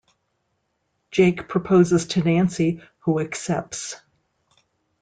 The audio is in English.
Jake proposes to Nancy, who accepts.